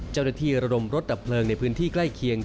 เจ้าหน้าที่ระดมรถดับเพลิงในพื้นที่ใกล้เคียง